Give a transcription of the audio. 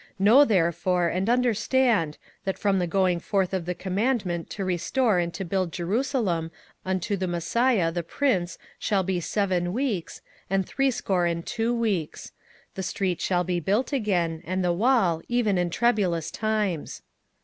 27:009:025 Know therefore and understand, that from the going forth of the commandment to restore and to build Jerusalem unto the Messiah the Prince shall be seven weeks, and threescore and two weeks: the street shall be built again, and the wall, even in troublous times.